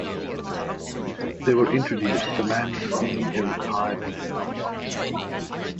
They were introduced, the man being a retired Indian army officer.